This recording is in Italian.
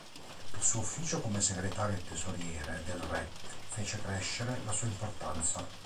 Il suo ufficio come segretario e tesoriere del re fece crescere la sua importanza.